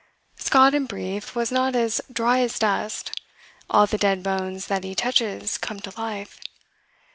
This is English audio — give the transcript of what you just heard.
Scott, in brief, was not as Dry as dust; all the dead bones that he touches come to life.